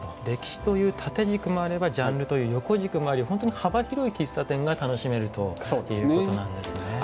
歴史という縦軸もあればジャンルという横軸もあり本当に幅広い喫茶店が楽しめるということなんですね。